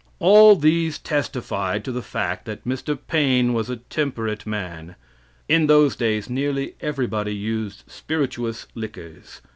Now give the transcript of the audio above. All these testified to the fact that Mr. Paige was a temperate man. In those days nearly everybody used spirituous liquors.